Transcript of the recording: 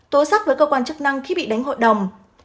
tố giác với cơ quan chức năng khi bị đánh hội đồng